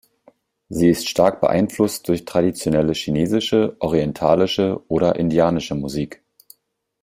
Sie ist stark beeinflusst durch traditionelle chinesische, orientalische oder indianische Musik.